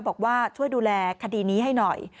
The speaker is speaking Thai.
บอกว่าช่วยดูแลคดีนี้ให้หน่อย